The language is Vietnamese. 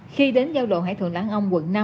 khi đến giao lộ hải thuận lãng ông quận năm